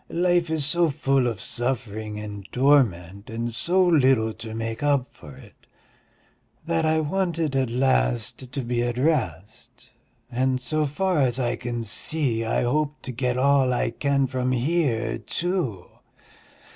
Life is so full of suffering and torment and so little to make up for it ... that I wanted at last to be at rest, and so far as I can see I hope to get all I can from here too."